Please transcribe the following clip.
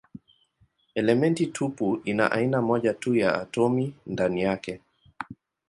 Elementi tupu ina aina moja tu ya atomi ndani yake.